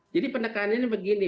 jadi pendekannya begini